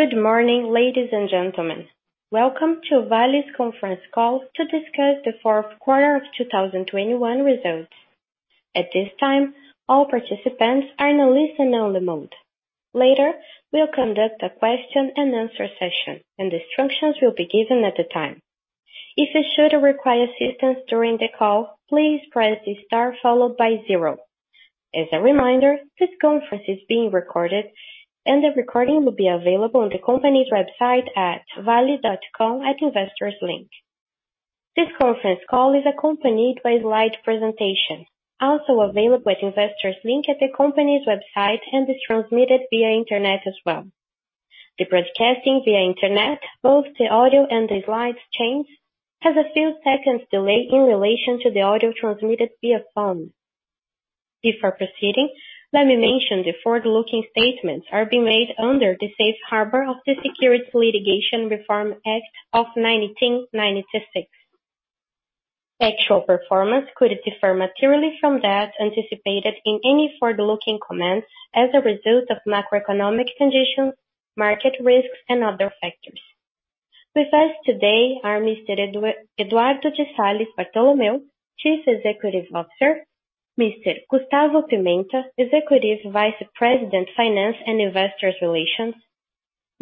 Good morning, ladies and gentlemen. Welcome to Vale's conference call to discuss the fourth quarter of 2021 results. At this time, all participants are in a listen-only mode. Later, we'll conduct a question and answer session, and instructions will be given at the time. If you should require assistance during the call, please press star followed by zero. As a reminder, this conference is being recorded and the recording will be available on the company's website at vale.com at investors link. This conference call is accompanied by slide presentation, also available at investors link at the company's website and is transmitted via internet as well. The broadcasting via internet, both the audio and the slides change, has a few seconds delay in relation to the audio transmitted via phone. Before proceeding, let me mention the forward-looking statements are being made under the safe harbor of the Private Securities Litigation Reform Act of 1995. Actual performance could differ materially from that anticipated in any forward-looking comments as a result of macroeconomic conditions, market risks and other factors. With us today are Mr. Eduardo Bartolomeo, Chief Executive Officer. Mr. Gustavo Pimenta, Executive Vice President, Finance and Investor Relations.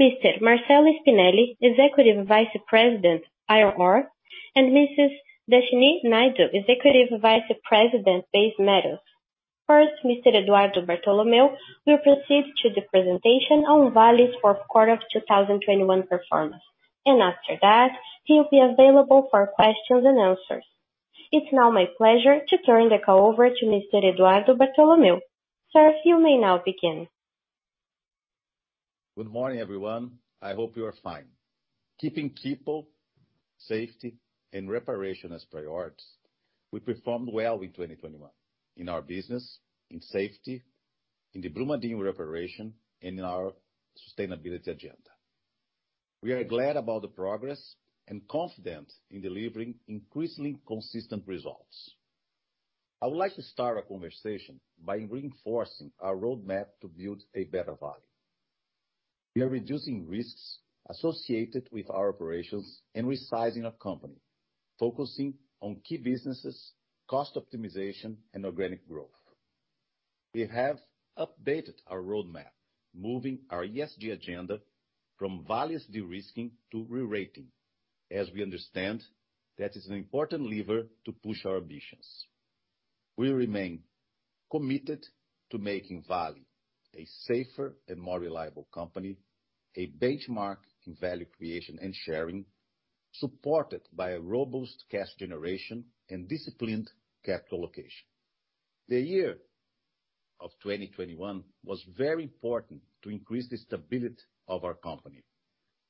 Mr. Marcello Spinelli, Executive Vice President, Iron Ore. Mrs. Deshnee Naidoo, Executive Vice President, Base Metals. First, Mr. Eduardo Bartolomeo will proceed to the presentation on Vale's fourth quarter of 2021 performance, and after that, he'll be available for questions and answers. It's now my pleasure to turn the call over to Mr. Eduardo Bartolomeo. Sir, you may now begin. Good morning, everyone. I hope you are fine. Keeping people's safety and reparation as priorities, we performed well in 2021 in our business, in safety, in the Brumadinho reparation, and in our sustainability agenda. We are glad about the progress and confident in delivering increasingly consistent results. I would like to start our conversation by reinforcing our roadmap to build a better value. We are reducing risks associated with our operations and resizing our company, focusing on key businesses, cost optimization and organic growth. We have updated our roadmap, moving our ESG agenda from Vale's de-risking to rerating as we understand that is an important lever to push our ambitions. We remain committed to making Vale a safer and more reliable company, a benchmark in value creation and sharing, supported by a robust cash generation and disciplined capital allocation. The year of 2021 was very important to increase the stability of our company,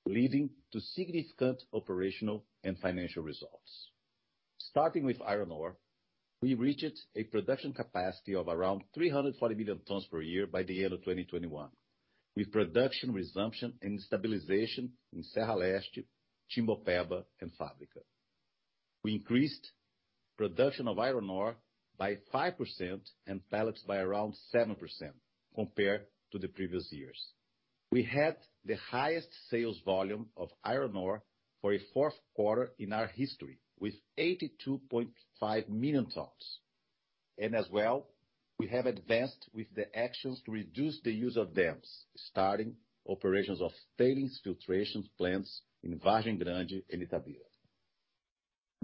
leading to significant operational and financial results. Starting with iron ore, we reached a production capacity of around 340 million tons per year by the end of 2021, with production resumption and stabilization in Serra Leste, Timbopeba and Fabrica. We increased production of iron ore by 5% and pellets by around 7% compared to the previous years. We had the highest sales volume of iron ore for a fourth quarter in our history, with 82.5 million tons. As well, we have advanced with the actions to reduce the use of dams, starting operations of tailings filtration plants in Vargem Grande and Itabira.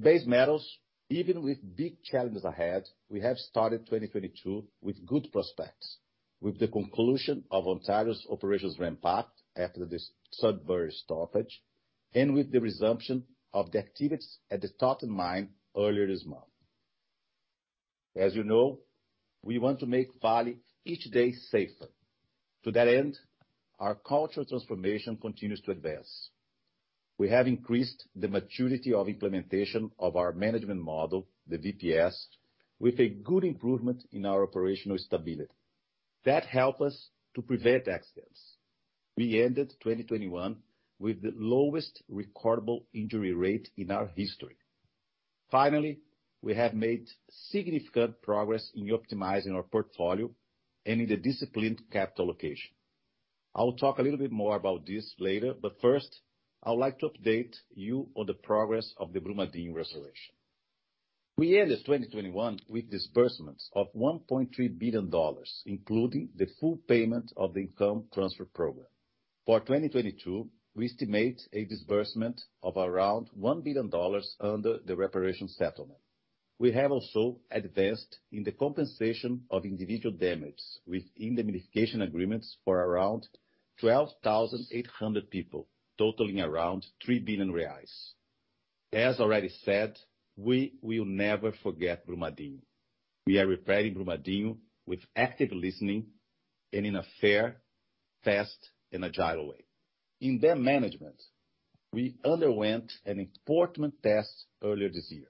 Base metals, even with big challenges ahead, we have started 2022 with good prospects, with the conclusion of Ontario's operations ramped up after the Sudbury stoppage and with the resumption of the activities at the Totten mine earlier this month. As you know, we want to make Vale each day safer. To that end, our cultural transformation continues to advance. We have increased the maturity of implementation of our management model, the VPS, with a good improvement in our operational stability. That help us to prevent accidents. We ended 2021 with the lowest recordable injury rate in our history. Finally, we have made significant progress in optimizing our portfolio and in the disciplined capital allocation. I will talk a little bit more about this later, but first I would like to update you on the progress of the Brumadinho restoration. We ended 2021 with disbursements of $1.3 billion, including the full payment of the Income Transfer Program. For 2022, we estimate a disbursement of around $1 billion under the reparation settlement. We have also advanced in the compensation of individual damage with indemnification agreements for around 12,800 people, totaling around 3 billion reais. As already said, we will never forget Brumadinho. We are repairing Brumadinho with active listening and in a fair, fast and agile way. In dam management, we underwent an important test earlier this year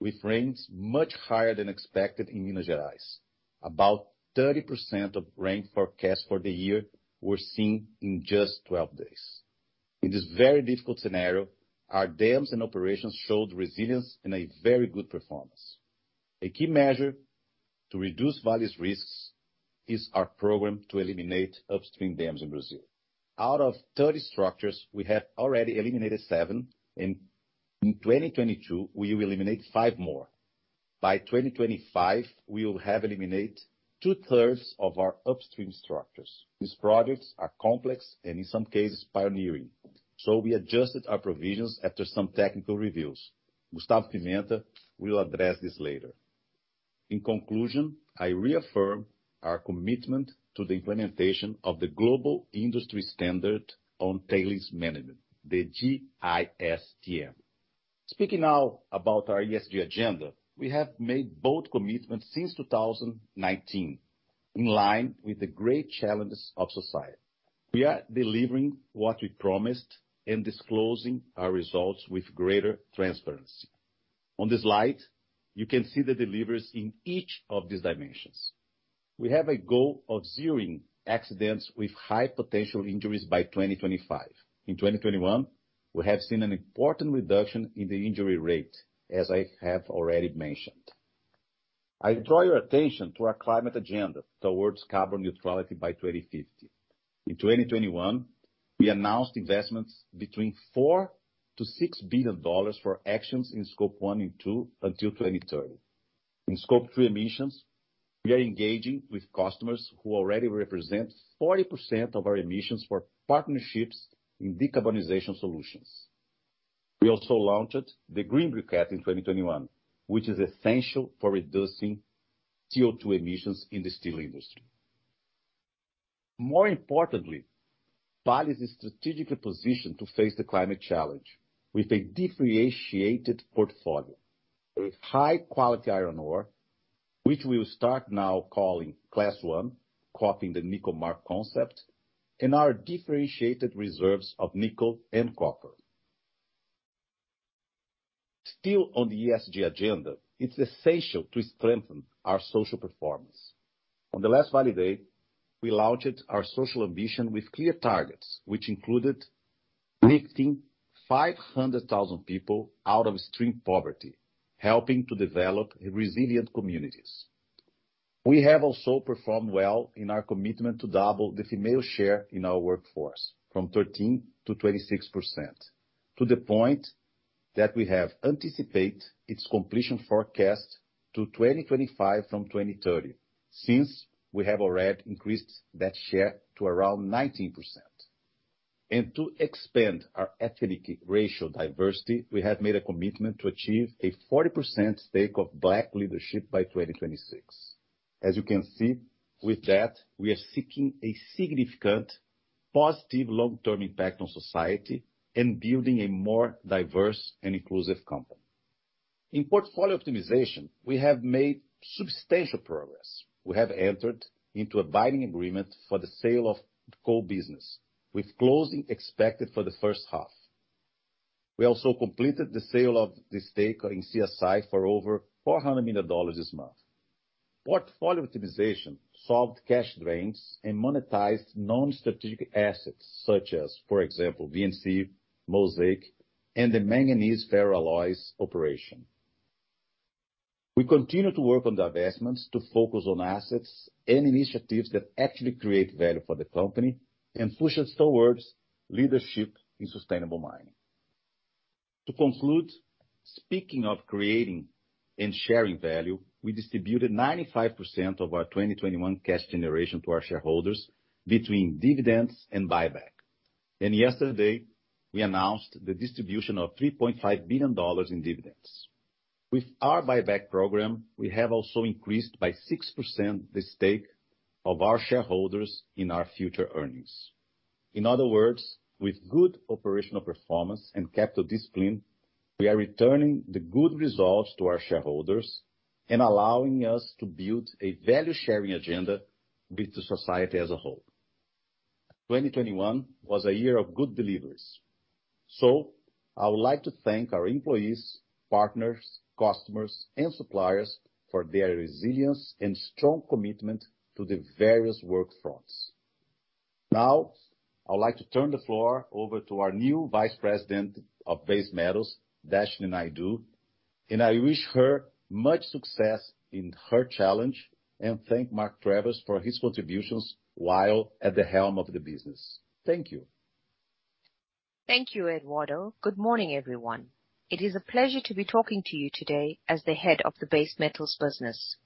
with rains much higher than expected in Minas Gerais. About 30% of rain forecast for the year were seen in just 12 days. In this very difficult scenario, our dams and operations showed resilience and a very good performance. A key measure to reduce Vale's risks is our program to eliminate upstream dams in Brazil. Out of 30 structures, we have already eliminated seven, and in 2022, we will eliminate five more. By 2025, we will have eliminated 2/3 of our upstream structures. These projects are complex and, in some cases, pioneering, so we adjusted our provisions after some technical reviews. Gustavo Pimenta will address this later. In conclusion, I reaffirm our commitment to the implementation of the Global Industry Standard on Tailings Management, the GISTM. Speaking now about our ESG agenda, we have made bold commitments since 2019, in line with the great challenges of society. We are delivering what we promised and disclosing our results with greater transparency. On this slide, you can see the deliveries in each of these dimensions. We have a goal of zeroing accidents with high potential injuries by 2025. In 2021, we have seen an important reduction in the injury rate, as I have already mentioned. I draw your attention to our climate agenda towards carbon neutrality by 2050. In 2021, we announced investments between $4 billion-$6 billion for actions in Scope 1 and 2 until 2030. In Scope 3 emissions, we are engaging with customers who already represent 40% of our emissions for partnerships in decarbonization solutions. We also launched the green briquette in 2021, which is essential for reducing CO₂ emissions in the steel industry. More importantly, Vale is in strategic position to face the climate challenge with a differentiated portfolio with high quality iron ore, which we will start now calling Class 1, copying the nickel Class 1 concept, and our differentiated reserves of nickel and copper. Still on the ESG agenda, it's essential to strengthen our social performance. On the last Vale Day, we launched our social ambition with clear targets, which included lifting 500,000 people out of extreme poverty, helping to develop resilient communities. We have also performed well in our commitment to double the female share in our workforce from 13%-26%, to the point that we have anticipated its completion forecast to 2025 from 2030, since we have already increased that share to around 19%. To expand our ethnic racial diversity, we have made a commitment to achieve a 40% stake of Black leadership by 2026. As you can see, with that, we are seeking a significant positive long-term impact on society and building a more diverse and inclusive company. In portfolio optimization, we have made substantial progress. We have entered into a binding agreement for the sale of the coal business, with closing expected for the first half. We also completed the sale of the stake in CSI for over $400 million this month. Portfolio optimization solved cash drains and monetized non-strategic assets such as, for example, VNC, Mosaic, and the manganese ferroalloys operation. We continue to work on divestments to focus on assets and initiatives that actually create value for the company and push us towards leadership in sustainable mining. To conclude, speaking of creating and sharing value, we distributed 95% of our 2021 cash generation to our shareholders between dividends and buyback. Yesterday, we announced the distribution of $3.5 billion in dividends. With our buyback program, we have also increased by 6% the stake of our shareholders in our future earnings. In other words, with good operational performance and capital discipline, we are returning the good results to our shareholders and allowing us to build a value-sharing agenda with the society as a whole. 2021 was a year of good deliveries. I would like to thank our employees, partners, customers and suppliers for their resilience and strong commitment to the various work fronts. Now, I would like to turn the floor over to our new Vice President of Base Metals, Deshnee Naidoo, and I wish her much success in her challenge and thank Mark Travers for his contributions while at the helm of the business. Thank you. Thank you, Eduardo. Good morning, everyone. It is a pleasure to be talking to you today as the head of the Base Metals business.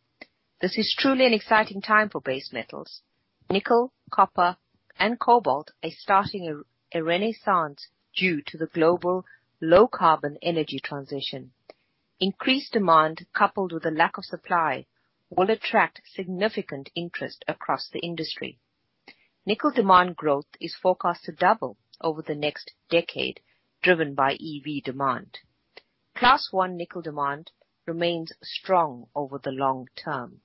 This is truly an exciting time for Base Metals. Nickel, copper and cobalt are starting a renaissance due to the global low carbon energy transition. Increased demand, coupled with a lack of supply, will attract significant interest across the industry. Nickel demand growth is forecast to double over the next decade, driven by EV demand. Class 1 nickel demand remains strong over the long term.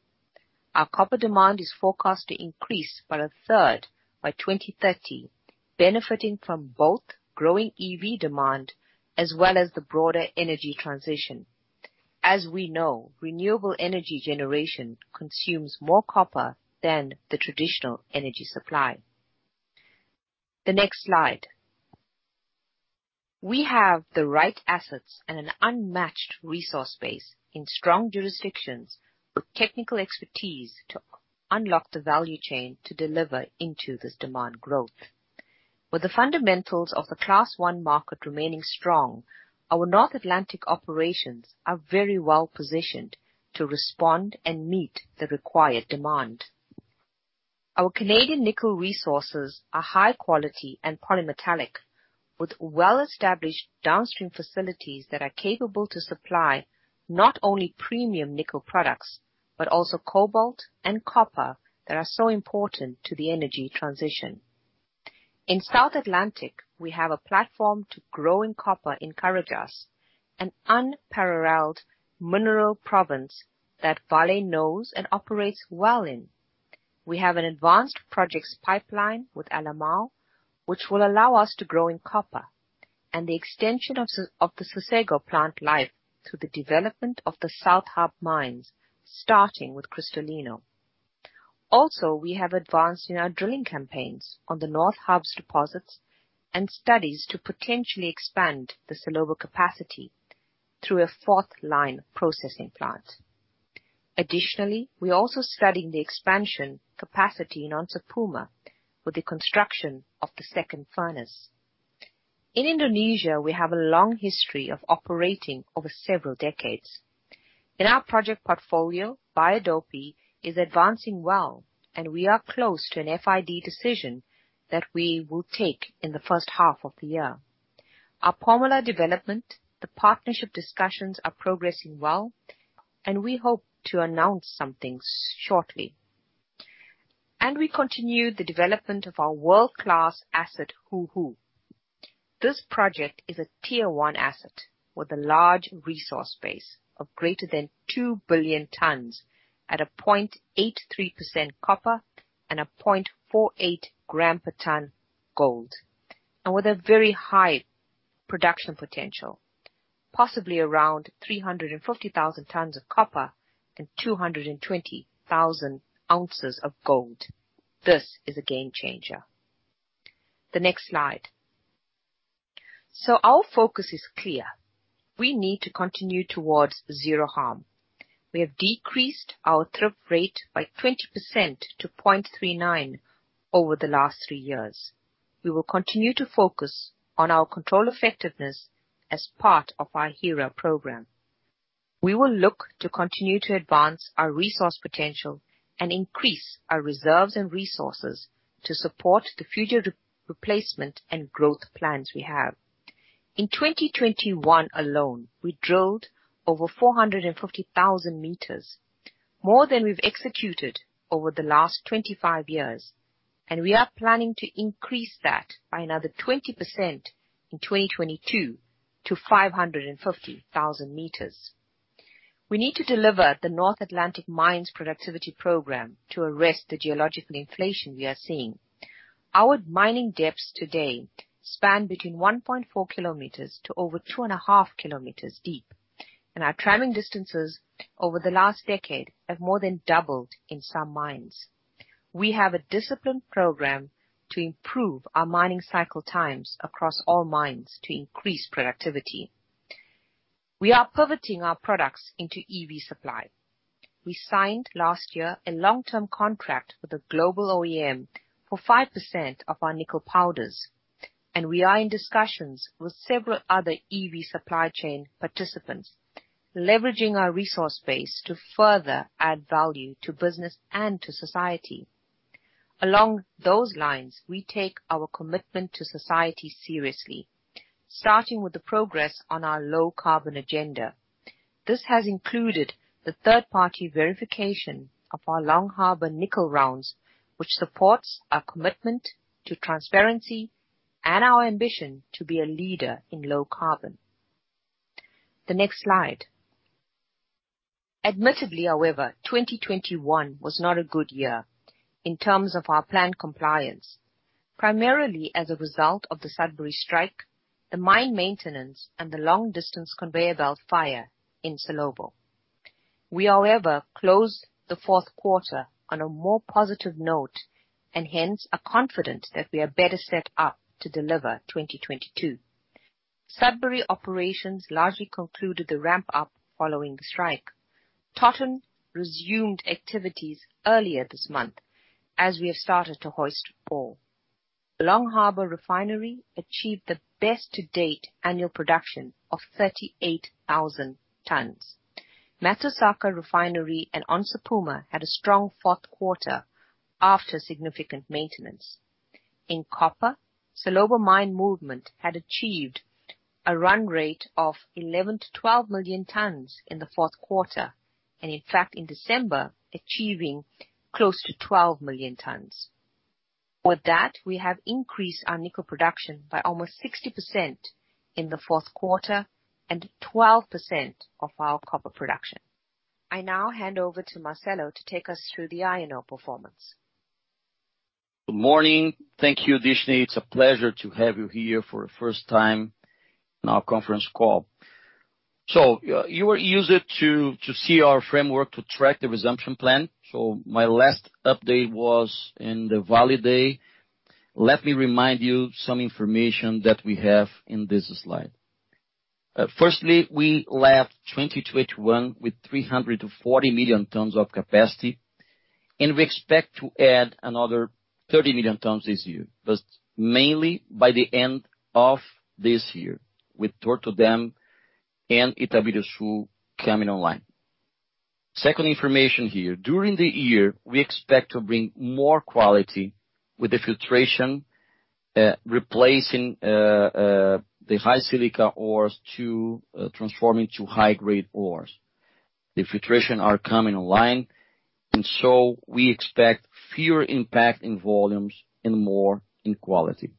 Our copper demand is forecast to increase by a third by 2030, benefiting from both growing EV demand as well as the broader energy transition. As we know, renewable energy generation consumes more copper than the traditional energy supply. The next slide. We have the right assets and an unmatched resource base in strong jurisdictions with technical expertise to unlock the value chain to deliver into this demand growth. With the fundamentals of the Class 1 market remaining strong, our North Atlantic operations are very well positioned to respond and meet the required demand. Our Canadian nickel resources are high quality and polymetallic, with well-established downstream facilities that are capable to supply not only premium nickel products, but also cobalt and copper that are so important to the energy transition. In South Atlantic, we have a platform to growing copper in Carajás, an unparalleled mineral province that Vale knows and operates well in. We have an advanced projects pipeline with Alemão, which will allow us to grow in copper and the extension of the Sossego plant life through the development of the South Hub mines, starting with Cristalino. We have advanced in our drilling campaigns on the North Range's deposits and studies to potentially expand the Salobo capacity through a fourth line processing plant. Additionally, we're also studying the expansion capacity in Onça Puma with the construction of the second furnace. In Indonesia, we have a long history of operating over several decades. In our project portfolio, Bahodopi is advancing well and we are close to an FID decision that we will take in the first half of the year. Our Pomalaa development, the partnership discussions are progressing well and we hope to announce some things shortly. We continue the development of our world-class asset, Hu'u. This project is a tier one asset with a large resource base of greater than 2 billion tons at 0.83% copper and 0.48 gram per ton gold, and with a very high production potential, possibly around 350,000 tons of copper and 220,000 ounces of gold. This is a game changer. The next slide. Our focus is clear. We need to continue towards zero harm. We have decreased our TRIF rate by 20%-0.39% over the last three years. We will continue to focus on our control effectiveness as part of our HIRA program. We will look to continue to advance our resource potential and increase our reserves and resources to support the future replacement and growth plans we have. In 2021 alone, we drilled over 450,000 meters, more than we've executed over the last 25 years, and we are planning to increase that by another 20% in 2022 to 550,000 meters. We need to deliver the North Atlantic Mines Productivity program to arrest the geological inflation we are seeing. Our mining depths today span between 1.4 km to over 2.5 km deep. Our traveling distances over the last decade have more than doubled in some mines. We have a disciplined program to improve our mining cycle times across all mines to increase productivity. We are pivoting our products into EV supply. We signed last year a long-term contract with a global OEM for 5% of our nickel powders, and we are in discussions with several other EV supply chain participants, leveraging our resource base to further add value to business and to society. Along those lines, we take our commitment to society seriously, starting with the progress on our low carbon agenda. This has included the third-party verification of our Long Harbour nickel rounds, which supports our commitment to transparency and our ambition to be a leader in low carbon. The next slide. Admittedly, however, 2021 was not a good year in terms of our plan compliance, primarily as a result of the Sudbury strike, the mine maintenance and the long-distance conveyor belt fire in Salobo. We, however, closed the fourth quarter on a more positive note and hence are confident that we are better set up to deliver 2022. Sudbury operations largely concluded the ramp-up following the strike. Totten resumed activities earlier this month as we have started to hoist ore. Long Harbour Refinery achieved the best to date annual production of 38,000 tons. Matsusaka Refinery and Onça Puma had a strong fourth quarter after significant maintenance. In copper, Salobo Mine movement had achieved a run rate of 11-12 million tons in the fourth quarter, and in fact, in December, achieving close to 12 million tons. With that, we have increased our nickel production by almost 60% in the fourth quarter and 12% of our copper production. I now hand over to Marcelo to take us through the iron ore performance. Good morning. Thank you, Deshnee. It's a pleasure to have you here for the first time in our conference call. You were used to see our framework to track the resumption plan. My last update was in the Vale Day. Let me remind you some information that we have in this slide. Firstly, we left 2021 with 340 million tons of capacity, and we expect to add another 30 million tons this year, but mainly by the end of this year, with Torto Dam and Itabiruçu coming online. Second information here. During the year, we expect to bring more quality with the filtration, replacing the high silica ores to transforming to high grade ores. The filtration are coming online, and we expect fewer impact in volumes and more in quality.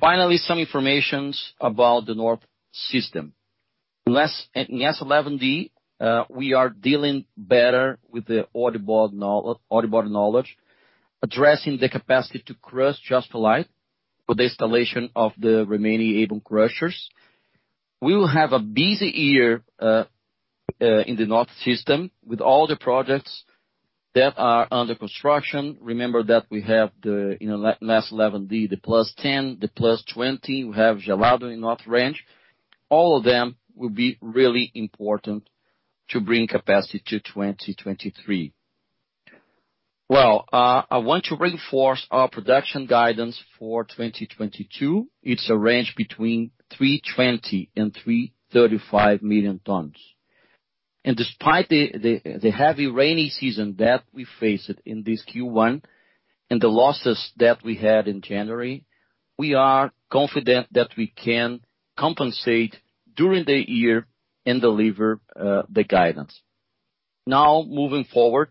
Finally, some informations about the North System. Yes, in S11D, we are dealing better with the ore body knowledge, addressing the capacity to crush ore in line with the installation of the remaining ABON crushers. We will have a busy year in the north system with all the projects that are under construction. Remember that we have the, you know, S11D, the plus 10, the plus 20, we have Gelado in North Range. All of them will be really important to bring capacity to 2023. Well, I want to reinforce our production guidance for 2022. It's a range between 320 and 335 million tons. Despite the heavy rainy season that we faced in this Q1 and the losses that we had in January, we are confident that we can compensate during the year and deliver the guidance. Now moving forward,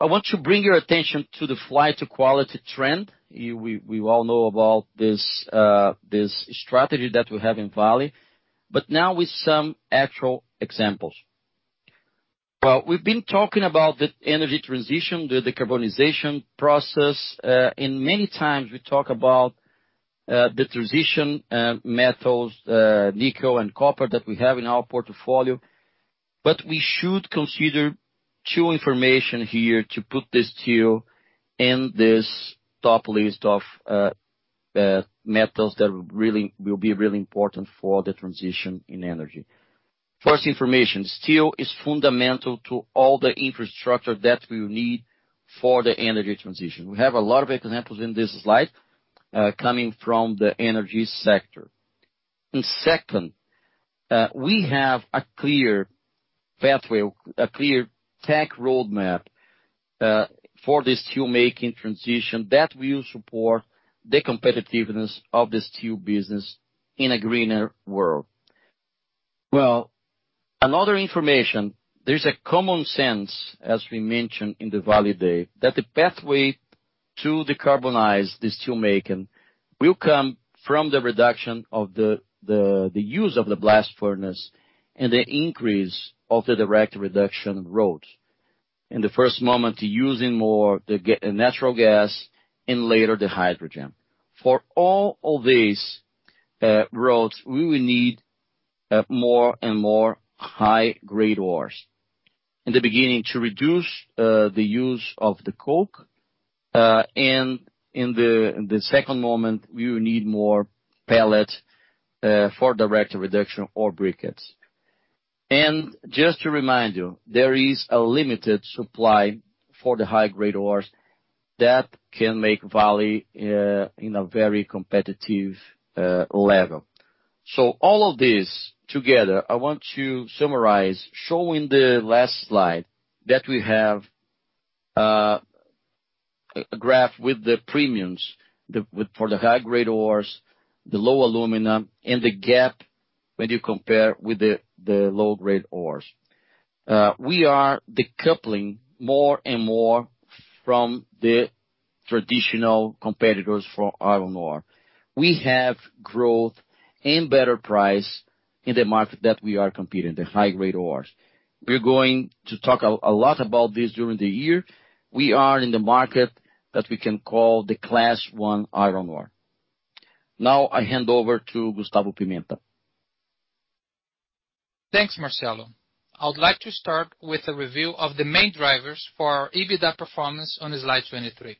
I want to bring your attention to the fly to quality trend. We all know about this strategy that we have in Vale, but now with some actual examples. Well, we've been talking about the energy transition, the decarbonization process, and many times we talk about the transition metals nickel and copper that we have in our portfolio. We should consider two information here to put this to you in this top list of metals that will be really important for the transition in energy. First information, steel is fundamental to all the infrastructure that we'll need for the energy transition. We have a lot of examples in this slide coming from the energy sector. Second, we have a clear pathway, a clear tech roadmap for this steelmaking transition that will support the competitiveness of the steel business in a greener world. Well, another information, there's a common sense, as we mentioned in the Vale Day, that the pathway to decarbonize the steelmaking will come from the reduction of the use of the blast furnace and the increase of the direct reduction route. In the first moment, using more natural gas and later the hydrogen. For all of these routes, we will need more and more high-grade ores. In the beginning to reduce the use of the coke, and in the second moment, we will need more pellets for direct reduction or briquettes. Just to remind you, there is a limited supply for the high grade ores that can make Vale in a very competitive level. All of this together, I want to summarize, showing the last slide that we have a graph with the premiums for the high grade ores, the low alumina and the gap when you compare with the low grade ores. We are decoupling more and more from the traditional competitors for iron ore. We have growth and better price in the market that we are competing, the high grade ores. We're going to talk a lot about this during the year. We are in the market that we can call the Class 1 iron ore. Now I hand over to Gustavo Pimenta. Thanks, Marcelo. I would like to start with a review of the main drivers for our EBITDA performance on slide 23.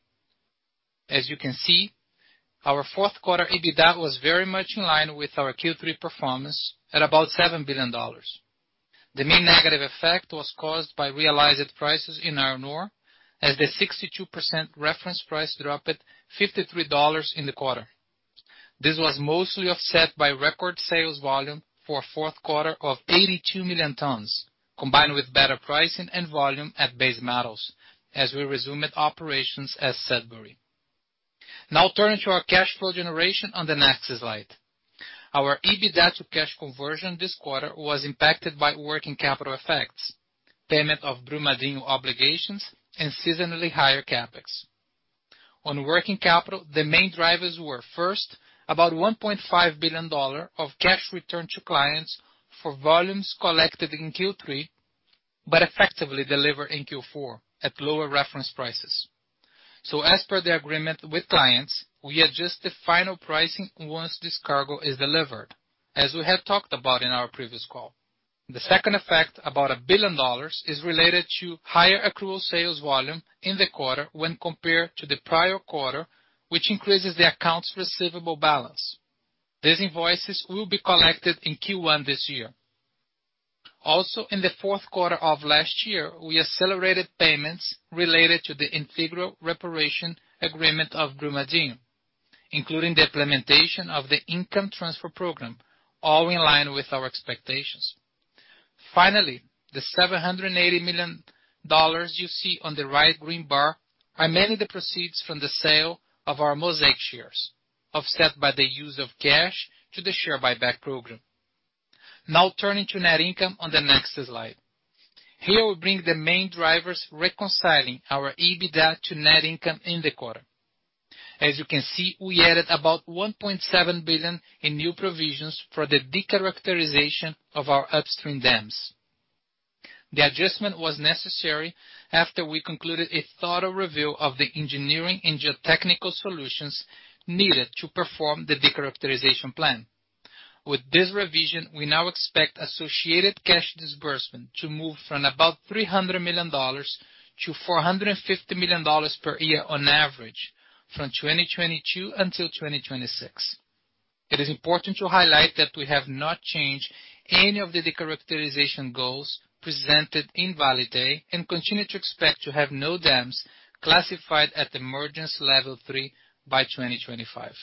As you can see, our fourth quarter EBITDA was very much in line with our Q3 performance at about $7 billion. The main negative effect was caused by realized prices in iron ore as the 62% reference price dropped to $53 in the quarter. This was mostly offset by record sales volume for a fourth quarter of 82 million tons, combined with better pricing and volume at base metals as we resumed operations at Sudbury. Now turning to our cash flow generation on the next slide. Our EBITDA to cash conversion this quarter was impacted by working capital effects, payment of Brumadinho obligations, and seasonally higher capex. On working capital, the main drivers were first about $1.5 billion of cash returned to clients for volumes collected in Q3, effectively delivered in Q4 at lower reference prices. As per the agreement with clients, we adjust the final pricing once this cargo is delivered, as we have talked about in our previous call. The second effect, about $1 billion, is related to higher accrual sales volume in the quarter when compared to the prior quarter, which increases the accounts receivable balance. These invoices will be collected in Q1 this year. Also, in the fourth quarter of last year, we accelerated payments related to the Integral Reparation Agreement of Brumadinho, including the implementation of the Income Transfer Program, all in line with our expectations. Finally, the $780 million you see on the right green bar are mainly the proceeds from the sale of our Mosaic shares, offset by the use of cash to the share buyback program. Now turning to net income on the next slide. Here we bring the main drivers reconciling our EBITDA to net income in the quarter. As you can see, we added about $1.7 billion in new provisions for the de-characterization of our upstream dams. The adjustment was necessary after we concluded a thorough review of the engineering and geotechnical solutions needed to perform the de-characterization plan. With this revision, we now expect associated cash disbursement to move from about $300 million- $450 million per year on average from 2022 until 2026. It is important to highlight that we have not changed any of the de-characterization goals presented in Vale Day and continue to expect to have no dams classified at emergency level 3 by 2025.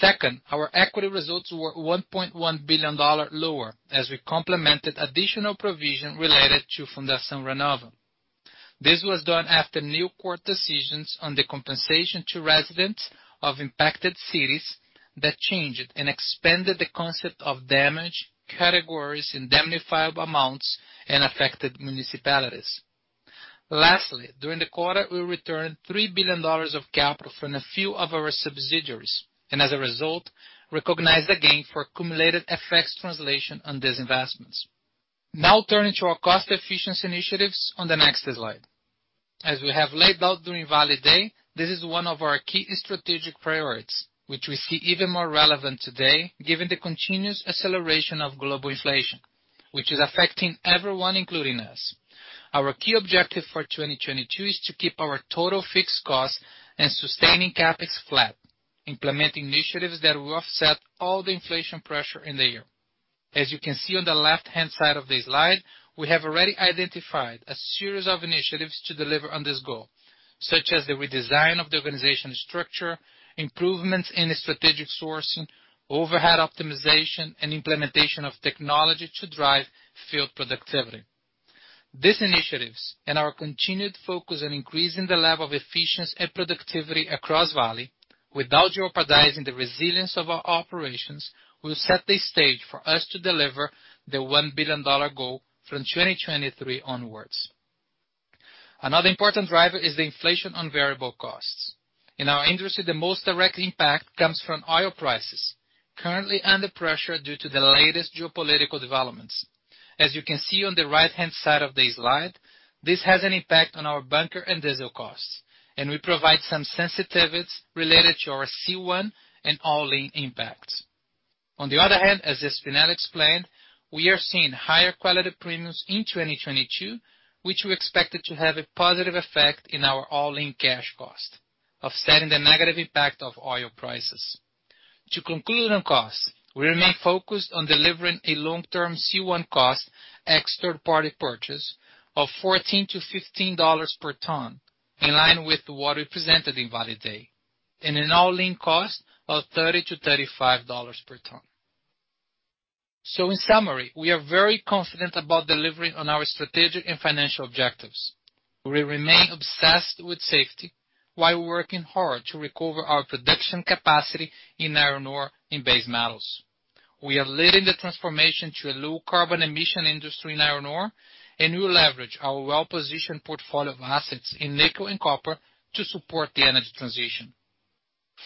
Second, our equity results were $1.1 billion lower as we recorded additional provision related to Fundação Renova. This was done after new court decisions on the compensation to residents of impacted cities that changed and expanded the concept of damage categories in indemnifiable amounts and affected municipalities. Lastly, during the quarter, we returned $3 billion of capital from a few of our subsidiaries, and as a result, recognized a gain from accumulated translation effects on these investments. Now turning to our cost efficiency initiatives on the next slide. As we have laid out during Vale Day, this is one of our key strategic priorities, which we see even more relevant today given the continuous acceleration of global inflation, which is affecting everyone, including us. Our key objective for 2022 is to keep our total fixed costs and sustaining CapEx flat, implementing initiatives that will offset all the inflation pressure in the year. As you can see on the left-hand side of the slide, we have already identified a series of initiatives to deliver on this goal, such as the redesign of the organization structure, improvements in strategic sourcing, overhead optimization, and implementation of technology to drive field productivity. These initiatives and our continued focus on increasing the level of efficiency and productivity across Vale without jeopardizing the resilience of our operations will set the stage for us to deliver the $1 billion goal from 2023 onwards. Another important driver is the inflation on variable costs. In our industry, the most direct impact comes from oil prices, currently under pressure due to the latest geopolitical developments. As you can see on the right-hand side of the slide, this has an impact on our bunker and diesel costs, and we provide some sensitivities related to our C1 and all-in impacts. On the other hand, as Spinelli explained, we are seeing higher quality premiums in 2022, which we expected to have a positive effect in our all-in cash cost, offsetting the negative impact of oil prices. To conclude on costs, we remain focused on delivering a long-term C1 cost ex-third party purchase of $14-$15 per ton, in line with what we presented in Vale Day, and an all-in cost of $30-$35 per ton. In summary, we are very confident about delivering on our strategic and financial objectives. We remain obsessed with safety while working hard to recover our production capacity in iron ore and base metals. We are leading the transformation to a low carbon emission industry in iron ore, and we leverage our well-positioned portfolio of assets in nickel and copper to support the energy transition.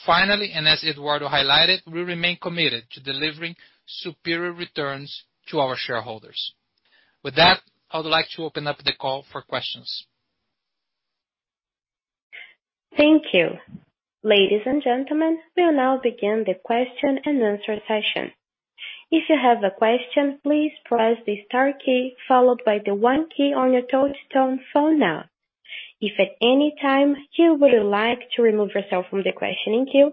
Finally, and as Eduardo highlighted, we remain committed to delivering superior returns to our shareholders. With that, I would like to open up the call for questions. Thank you. Ladies and gentlemen, we'll now begin the question and answer session. If you have a question, please press the star key followed by the one key on your touchtone phone now. If at any time you would like to remove yourself from the questioning queue,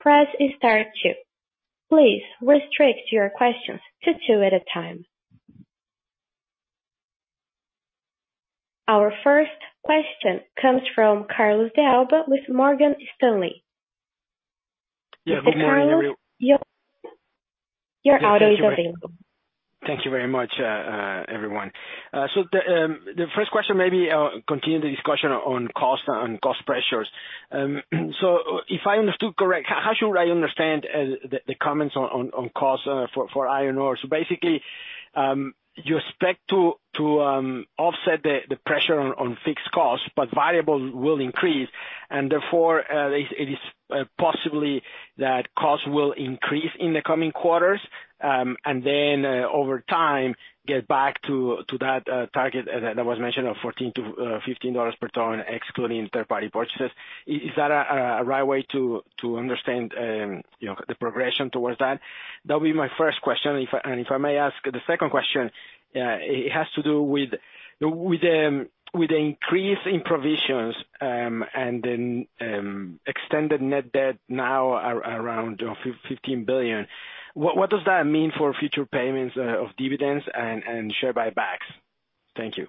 press star two. Please restrict your questions to two at a time. Our first question comes from Carlos de Alba with Morgan Stanley. Yeah, good morning. Carlos, your audio is breaking. Thank you very much, everyone. The first question maybe continue the discussion on cost and cost pressures. If I understood correct, how should I understand the comments on costs for iron ore? Basically, you expect to offset the pressure on fixed costs, but variable will increase and therefore, it is possibly that costs will increase in the coming quarters? Over time, get back to that target that was mentioned of $14-$15 per ton, excluding third party purchases. Is that a right way to understand, you know, the progression towards that? That would be my first question. If I may ask the second question, it has to do with the increase in provisions, and then, extended net debt now around $15 billion. What does that mean for future payments of dividends and share buybacks? Thank you.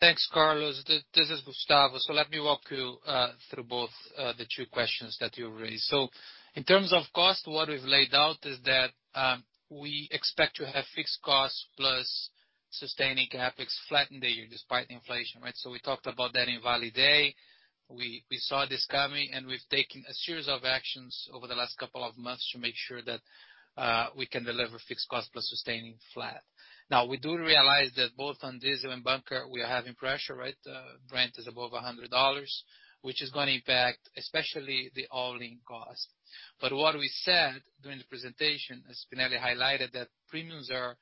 Thanks, Carlos. This is Gustavo. Let me walk you through both the two questions that you raised. In terms of cost, what we've laid out is that we expect to have fixed costs plus sustaining CapEx flattened the year despite inflation, right? We talked about that in Vale Day. We saw this coming, and we've taken a series of actions over the last couple of months to make sure that we can deliver fixed cost plus sustaining flat. Now, we do realize that both on diesel and bunker, we are having pressure, right? Brent is above $100, which is gonna impact, especially the all-in cost. What we said during the presentation, as Spinelli highlighted, that premiums are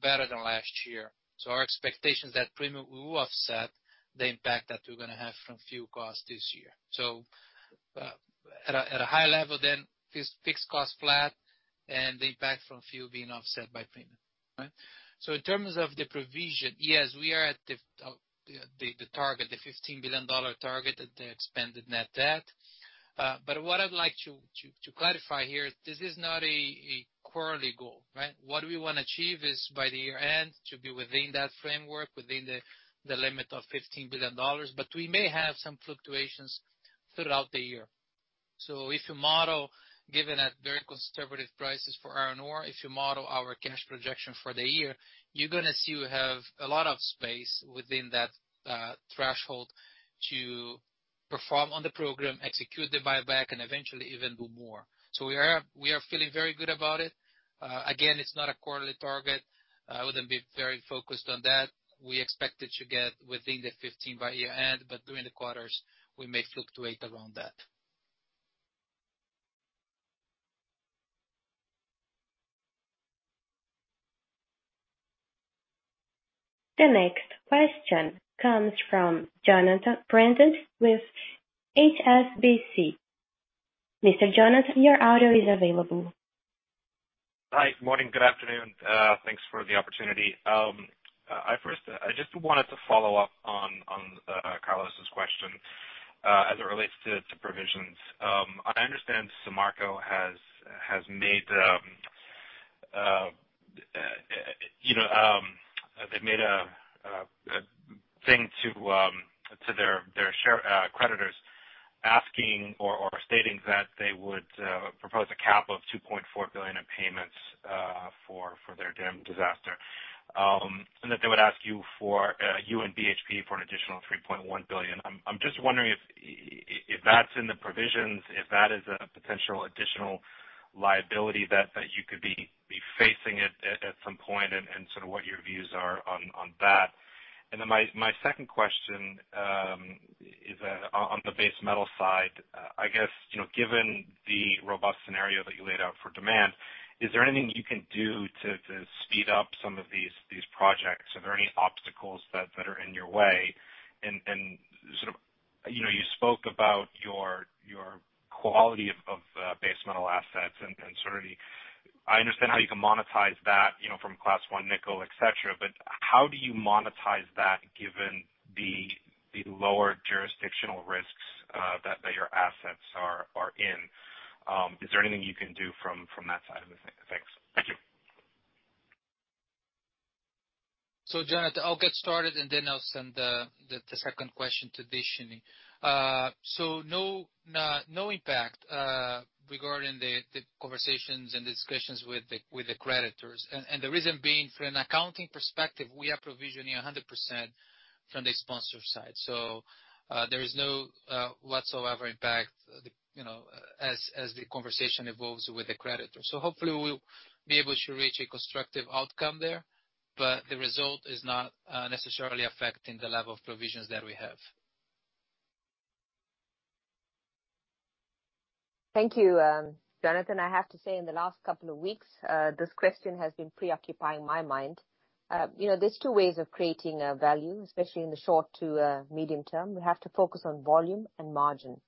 better than last year. Our expectations that premium will offset the impact that we're gonna have from fuel costs this year. At a high level then, fixed costs flat and the impact from fuel being offset by premium, right? In terms of the provision, yes, we are at the target, the $15 billion target at the expanded net debt. But what I'd like to clarify here, this is not a quarterly goal, right? What we wanna achieve is by the year end to be within that framework, within the limit of $15 billion, but we may have some fluctuations throughout the year. If you model, given very conservative prices for iron ore, our cash projection for the year, you're gonna see we have a lot of space within that threshold to perform on the program, execute the buyback, and eventually even do more. We are feeling very good about it. Again, it's not a quarterly target. I wouldn't be very focused on that. We expect it to get within the 15 by year-end, but during the quarters, we may fluctuate around that. The next question comes from Jonathan Preston with HSBC. Mr. Jonathan, your audio is available. Hi. Good morning, good afternoon. Thanks for the opportunity. I just wanted to follow up on Carlos's question as it relates to provisions. I understand Samarco has made a proposal to their shareholders and creditors stating that they would propose a cap of $2.4 billion in payments for their dam disaster, and that they would ask you and BHP for an additional $3.1 billion. I'm just wondering if that's in the provisions, if that is a potential additional liability that you could be facing at some point, and sort of what your views are on that. Then my second question is on the base metal side. I guess, you know, given the robust scenario that you laid out for demand, is there anything you can do to speed up some of these projects? Are there any obstacles that are in your way? Sort of, you know, you spoke about your quality of base metal assets and certainty. I understand how you can monetize that, you know, from Class 1 nickel, et cetera. But how do you monetize that given the lower jurisdictional risks that your assets are in? Is there anything you can do from that side of the things? Thank you. Jonathan, I'll get started, and then I'll send the second question to Deshnee. No impact regarding the conversations and discussions with the creditors. The reason being, from an accounting perspective, we are provisioning 100% from the sponsor side. There is no whatsoever impact, you know, as the conversation evolves with the creditors. Hopefully we'll be able to reach a constructive outcome there, but the result is not necessarily affecting the level of provisions that we have. Thank you, Jonathan. I have to say, in the last couple of weeks, this question has been preoccupying my mind. You know, there's two ways of creating value, especially in the short to medium term. We have to focus on volume and margin.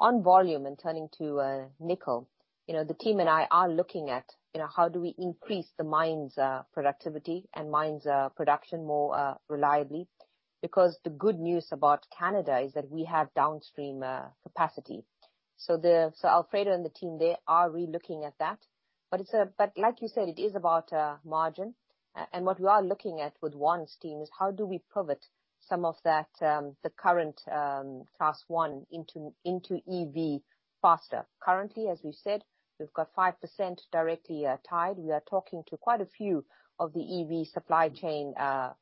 On volume and turning to nickel, you know, the team and I are looking at, you know, how do we increase the mine's productivity and production more reliably? Because the good news about Canada is that we have downstream capacity. Alfredo and the team there are re-looking at that. Like you said, it is about margin. What we are looking at with Juan's team is how do we pivot some of that, the current Class 1 into EV faster? Currently, as we said, we've got 5% directly tied. We are talking to quite a few of the EV supply chain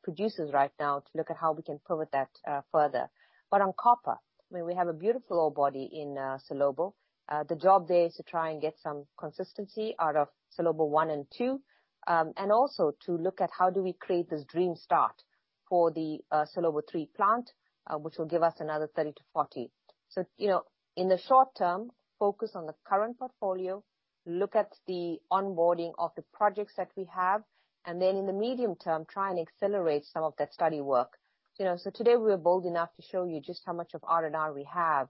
producers right now to look at how we can pivot that further. But on copper, I mean, we have a beautiful ore body in Salobo. The job there is to try and get some consistency out of Salobo 1 and 2, and also to look at how do we create this dream start for the Salobo 3 plant, which will give us another 30%-40%. You know, in the short term, focus on the current portfolio, look at the onboarding of the projects that we have, and then in the medium term, try and accelerate some of that study work. You know, today we are bold enough to show you just how much of R&R we have.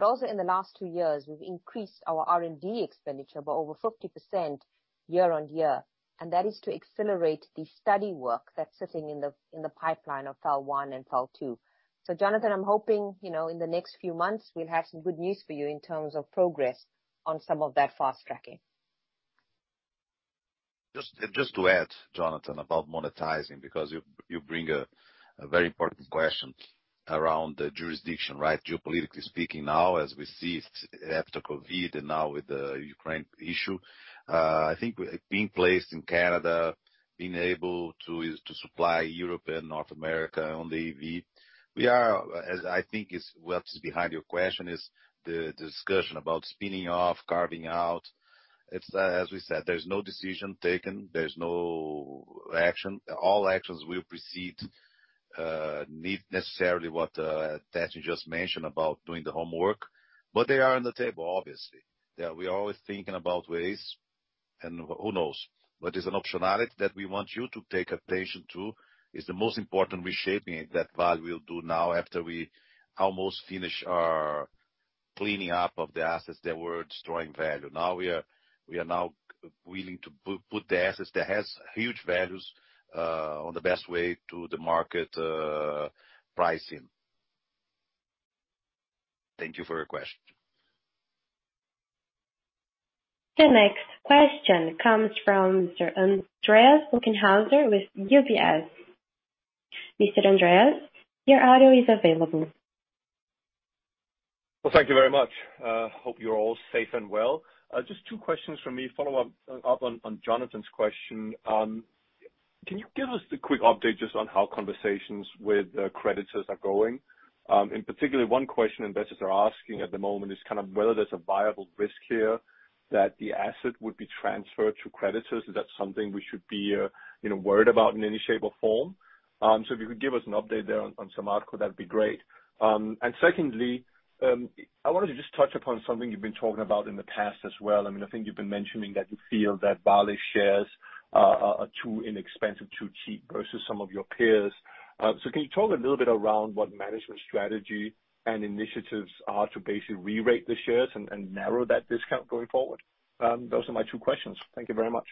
also in the last two years, we've increased our R&D expenditure by over 50% year-over-year. That is to accelerate the study work that's sitting in the pipeline of file 1 and file 2. Jonathan, I'm hoping, you know, in the next few months we'll have some good news for you in terms of progress on some of that fast-tracking. Just to add, Jonathan, about monetizing because you bring a very important question around the jurisdiction, right? Geopolitically speaking now as we see after COVID and now with the Ukraine issue, I think being placed in Canada, being able to supply Europe and North America on the EV, we are, as I think is what is behind your question is the discussion about spinning off, carving out. It's, as we said, there's no decision taken, there's no action. All actions will proceed necessarily with what Tatiana just mentioned about doing the homework. But they are on the table, obviously. Yeah, we are always thinking about ways, and who knows. But it's an optionality that we want you to pay attention to. It's the most important reshaping that Vale will do now after we almost finish our cleaning up of the assets that were destroying value. Now we are now willing to put the assets that has huge values on the best way to the market pricing. Thank you for your question. The next question comes from Mr. Andreas Bokkenheuser with UBS. Mr. Andreas, your audio is available. Well, thank you very much. Hope you're all safe and well. Just two questions from me. Follow up on Jonathan's question. Can you give us a quick update just on how conversations with creditors are going? In particular, one question investors are asking at the moment is kind of whether there's a viable risk here that the asset would be transferred to creditors. Is that something we should be, you know, worried about in any shape or form? If you could give us an update there on Samarco, that'd be great. Secondly, I wanted to just touch upon something you've been talking about in the past as well. I mean, I think you've been mentioning that you feel that Vale shares are too inexpensive, too cheap versus some of your peers. Can you talk a little bit around what management strategy and initiatives are to basically rerate the shares and narrow that discount going forward? Those are my two questions. Thank you very much.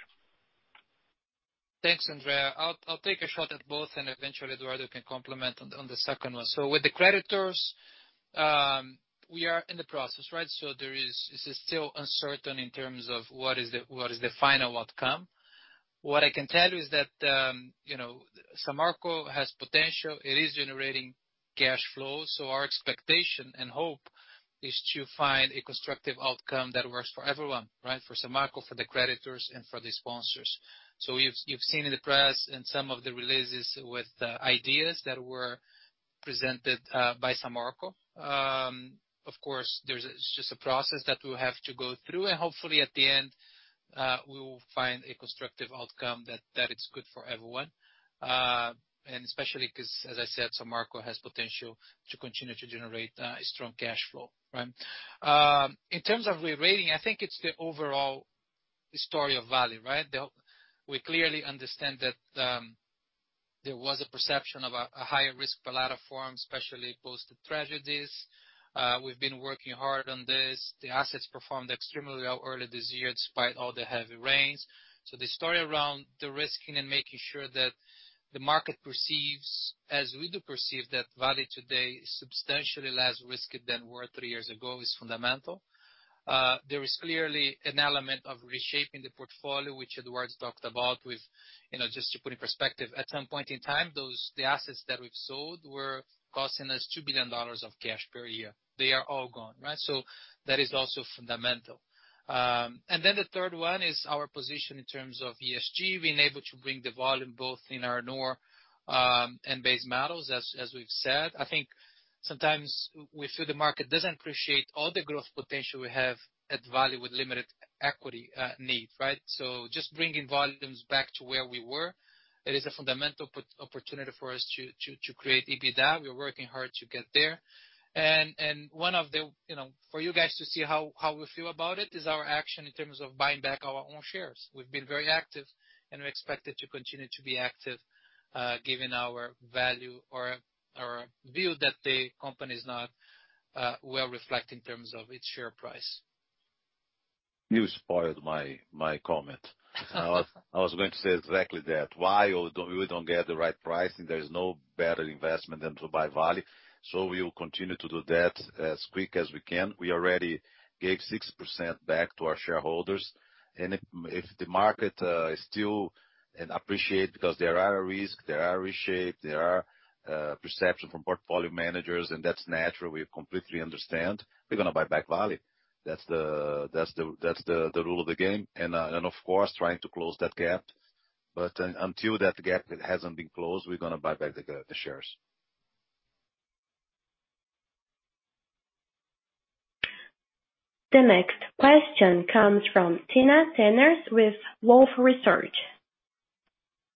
Thanks, Andreas. I'll take a shot at both, and eventually Eduardo can comment on the second one. With the creditors, we are in the process, right? This is still uncertain in terms of what is the final outcome. What I can tell you is that, you know, Samarco has potential. It is generating cash flow, so our expectation and hope is to find a constructive outcome that works for everyone, right? For Samarco, for the creditors, and for the sponsors. You've seen in the press in some of the releases with ideas that were presented by Samarco. Of course, there's just a process that we'll have to go through, and hopefully at the end, we will find a constructive outcome that is good for everyone. Especially 'cause as I said, Samarco has potential to continue to generate strong cash flow, right? In terms of rerating, I think it's the overall story of Vale, right? We clearly understand that there was a perception of a higher risk for a lot of investors, especially post the tragedies. We've been working hard on this. The assets performed extremely well early this year despite all the heavy rains. The story around derisking and making sure that the market perceives, as we do perceive, that Vale today is substantially less risky than were three years ago is fundamental. There is clearly an element of reshaping the portfolio, which Eduardo's talked about with you know, just to put in perspective, at some point in time, the assets that we've sold were costing us $2 billion of cash per year. They are all gone, right? That is also fundamental. Then the third one is our position in terms of ESG, being able to bring the volume both in our iron and base metals, as we've said. I think sometimes we feel the market doesn't appreciate all the growth potential we have at Vale with limited equity need, right? Just bringing volumes back to where we were, it is a fundamental opportunity for us to create EBITDA. We're working hard to get there. You know, one of the ways for you guys to see how we feel about it is our action in terms of buying back our own shares. We've been very active, and we're expected to continue to be active, given our view that the company is not well reflected in terms of its share price. You spoiled my comment. I was going to say exactly that. While we don't get the right pricing, there is no better investment than to buy Vale. We will continue to do that as quick as we can. We already gave 6% back to our shareholders. If the market is still not appreciating because there are risks, there is reshaping, there are perceptions from portfolio managers, and that's natural, we completely understand, we're gonna buy back Vale. That's the rule of the game. Of course, trying to close that gap. Until that gap hasn't been closed, we're gonna buy back the shares. The next question comes from Timna Tanners with Wolfe Research.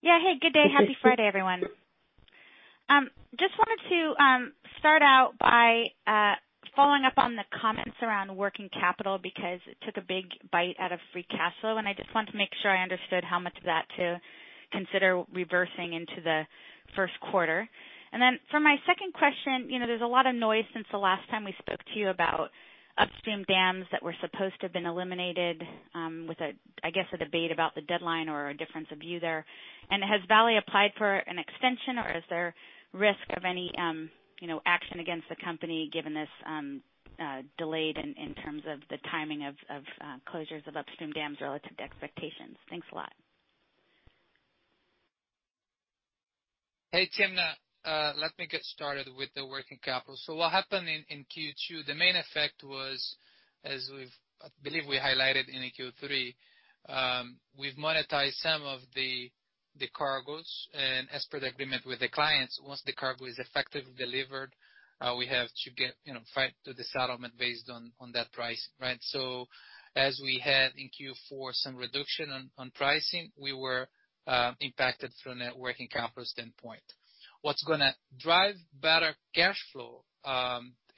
Yeah. Hey, good day. Happy Friday, everyone. Just wanted to start out by following up on the comments around working capital because it took a big bite out of free cash flow, and I just wanted to make sure I understood how much of that to consider reversing into the first quarter. Then for my second question, you know, there's a lot of noise since the last time we spoke to you about upstream dams that were supposed to have been eliminated, with a, I guess, a debate about the deadline or a difference of view there. Has Vale applied for an extension or is there risk of any, you know, action against the company given this, delayed in terms of the timing of closures of upstream dams relative to expectations? Thanks a lot. Hey, Timna. Let me get started with the working capital. What happened in Q2, the main effect was, I believe we highlighted in Q3, we've monetized some of the cargoes, and as per the agreement with the clients, once the cargo is effectively delivered, we have to get, you know, find the settlement based on that price, right? As we had in Q4 some reduction on pricing, we were impacted from a working capital standpoint. What's gonna drive better cash flow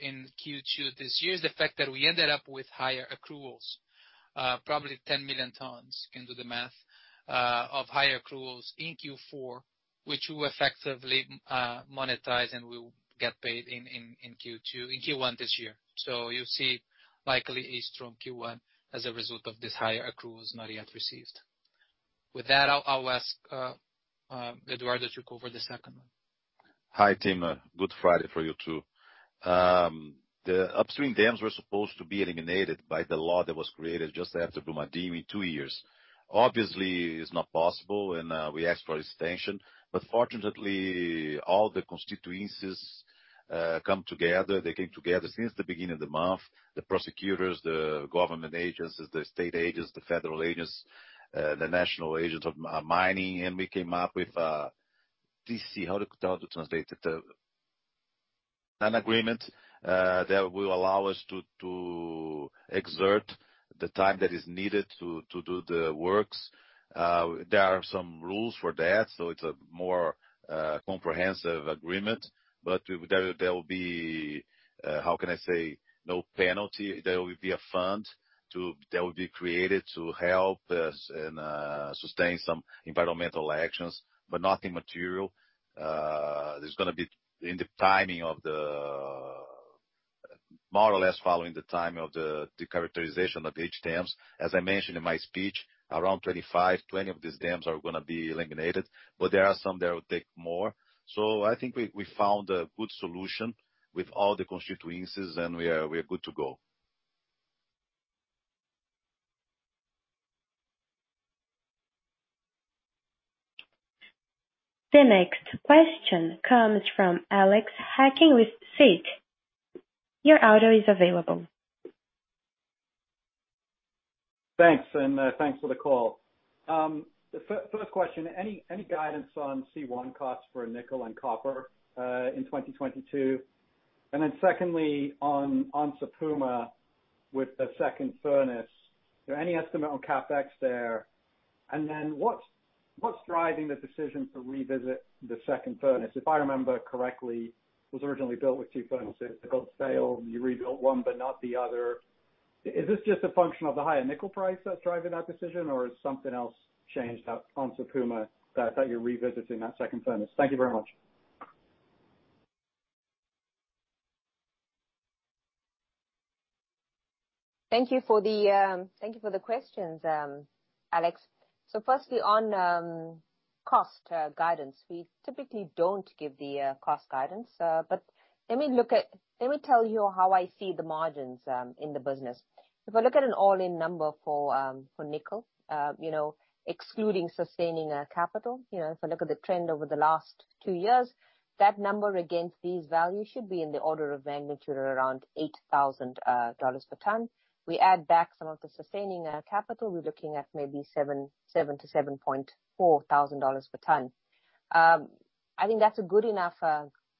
in Q2 this year is the fact that we ended up with higher accruals, probably 10 million tons, you can do the math, of higher accruals in Q4, which we will effectively monetize and we will get paid in Q1 this year. You'll see likely a strong Q1 as a result of this higher accruals not yet received. With that, I'll ask Eduardo to go over the second one. Hi, team. Good Friday for you too. The upstream dams were supposed to be eliminated by the law that was created just after Brumadinho in two years. Obviously, it's not possible and we asked for extension. Fortunately, all the constituencies come together. They came together since the beginning of the month, the prosecutors, the government agents, the state agents, the federal agents, the national agents of mining, and we came up with, let's see, how do you translate it? An agreement that will allow us to exert the time that is needed to do the works. There are some rules for that, so it's a more comprehensive agreement. There will be, how can I say? No penalty. There will be a fund that will be created to help us and sustain some environmental actions, but nothing material. There's gonna be, in the timing of more or less following the timing of the characterization of each dams. As I mentioned in my speech, around 25, 20 of these dams are gonna be eliminated, but there are some that will take more. I think we found a good solution with all the constituencies, and we are good to go. The next question comes from Alex Hacking with Citi. Your audio is available. Thanks, thanks for the call. The first question, any guidance on C1 costs for nickel and copper in 2022? Secondly, on Onça Puma with the second furnace, any estimate on capex there? What's driving the decision to revisit the second furnace? If I remember correctly, it was originally built with two furnaces. The old failed. You rebuilt one but not the other. Is this just a function of the higher nickel price that's driving that decision, or is something else changed at Onça Puma that you're revisiting that second furnace? Thank you very much. Thank you for the questions, Alex. Firstly on cost guidance. We typically don't give the cost guidance, but let me tell you how I see the margins in the business. If I look at an all-in number for nickel, you know, excluding sustaining capital, you know, if I look at the trend over the last two years, that number against these values should be in the order of magnitude around $8,000 per ton. We add back some of the sustaining capital, we're looking at maybe $7,000-$7,400 per ton. I think that's a good enough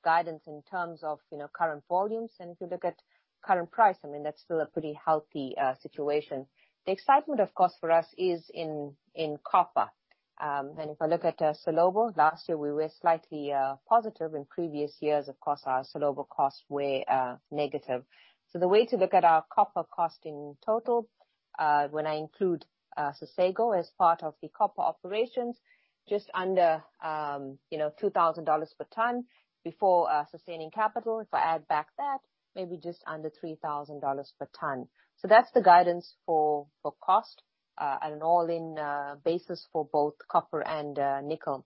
guidance in terms of, you know, current volumes. If you look at current price, I mean, that's still a pretty healthy situation. The excitement, of course, for us is in copper. If I look at Salobo, last year we were slightly positive. In previous years, of course, our Salobo costs were negative. The way to look at our copper cost in total, when I include Sossego as part of the copper operations, just under $2,000 per ton before sustaining capital. If I add back that, maybe just under $3,000 per ton. That's the guidance for cost at an all-in basis for both copper and nickel.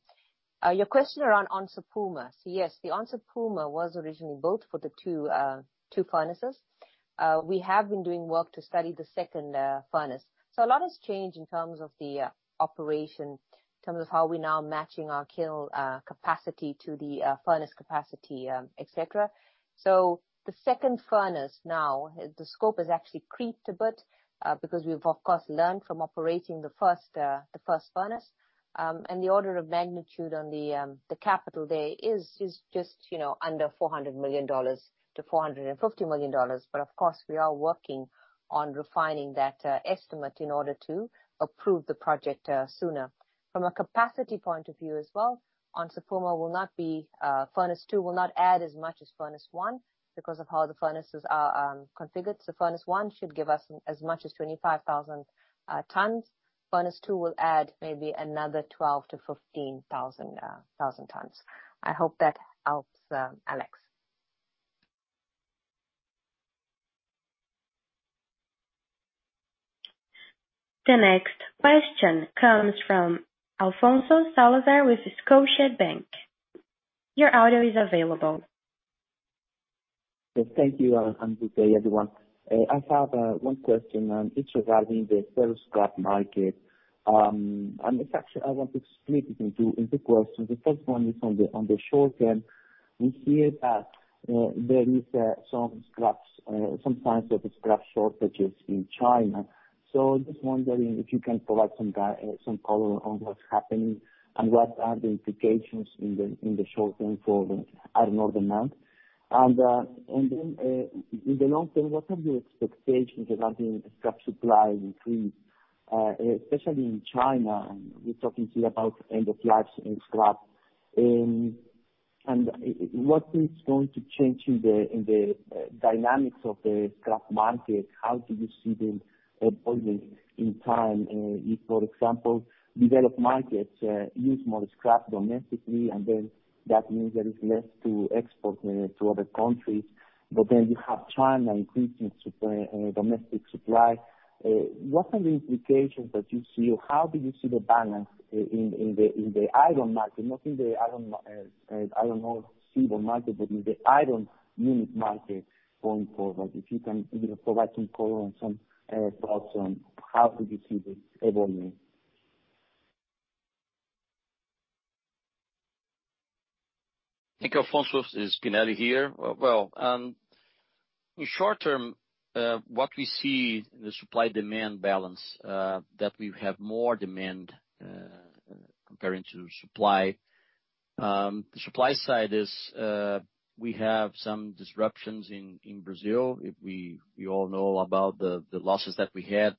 Your question around Onça Puma. Yes, the Onça Puma was originally built for the two furnaces. We have been doing work to study the second furnace. A lot has changed in terms of the operation, in terms of how we're now matching our kiln capacity to the furnace capacity, et cetera. The second furnace now, the scope has actually creeped a bit because we've, of course, learned from operating the first furnace. The order of magnitude on the capital there is just, you know, under $400 million-$450 million. Of course, we are working on refining that estimate in order to approve the project sooner. From a capacity point of view as well, Onça Puma will not be, furnace two will not add as much as furnace one because of how the furnaces are configured. Furnace one should give us as much as 25,000 tons. Furnace two will add maybe another 12,000-15,000 tons. I hope that helps, Alex. The next question comes from Alfonso Salazar with Scotiabank. Your audio is available. Yes, thank you and good day, everyone. I have one question, and it's regarding the steel scrap market. It's actually I want to split it into two questions. The first one is on the short term. We hear that there is some scrap, some signs of scrap shortages in China. So just wondering if you can provide some color on what's happening and what are the implications in the short term for the iron ore demand. Then, in the long term, what are your expectations regarding scrap supply increase, especially in China, we're talking here about end of life in scrap. What is going to change in the dynamics of the scrap market? How do you see the evolution in time, if for example, developed markets use more scrap domestically, and then that means there is less to export to other countries, but then you have China increasing domestic supply. What are the implications that you see? How do you see the balance in the iron market, not in the iron ore seaborne market, but in the iron unit market going forward? If you can provide some color and some thoughts on how do you see the evolving. Thank you, Alfonso, it's Spinelli here. Well, in short term, what we see in the supply demand balance, that we have more demand, comparing to supply. The supply side is, we have some disruptions in Brazil. We all know about the losses that we had,